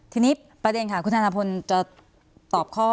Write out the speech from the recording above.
ทีนี้ประเด็นค่ะคุณธนพลจะตอบข้อ